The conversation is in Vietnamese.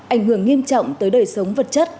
ảnh hưởng nghiêm trọng tới đời sống vật chất